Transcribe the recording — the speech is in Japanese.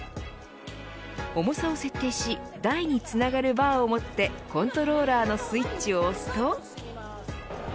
重さを設定し台につながるバーを持ってコントローラーのスイッチを押すと。